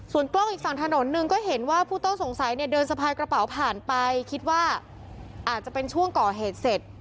กล้องอีกฝั่งถนนหนึ่งก็เห็นว่าผู้ต้องสงสัยเนี่ยเดินสะพายกระเป๋าผ่านไปคิดว่าอาจจะเป็นช่วงก่อเหตุเสร็จ